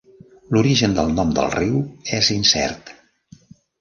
L'origen del nom del riu és incert.